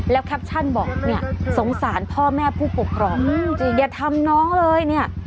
แล้วแคปชั่นบอกเนี่ยสงสารพ่อแม่ผู้ปกครองอย่าทำน้องเลยเนี่ย